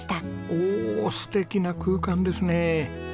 おお素敵な空間ですね！